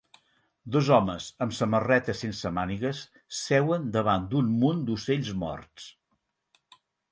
Dos homes amb samarreta sense mànigues seuen davant d'un munt d'ocells morts.